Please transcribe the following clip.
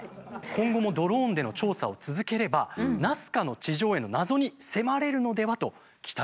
今後もドローンでの調査を続ければナスカの地上絵の謎に迫れるのではと期待されているそうなんです。